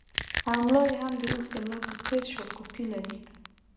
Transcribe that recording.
او ملا یې هم د اوښ د ملا په څېر شاکوپي لري